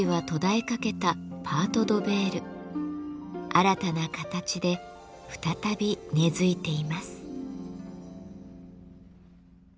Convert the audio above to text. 新たな形で再び根づいています。